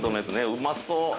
うまそう！